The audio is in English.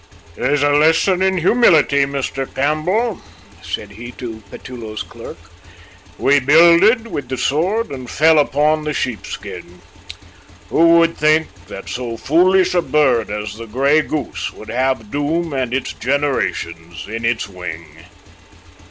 "Here's a lesson in humility, Mr. Campbell," said he to Petullo's clerk. "We builded with the sword, and fell upon the sheep skin. Who would think that so foolish a bird as the grey goose would have Doom and its generations in its wing?"